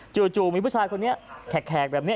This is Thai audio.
จู่มีผู้ชายคนนี้แขกแบบนี้